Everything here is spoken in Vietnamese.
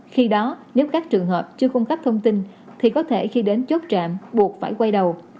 khi đó nếu các trường hợp chưa cung cấp thông tin thì có thể khi đến chốt trạm buộc phải quay đầu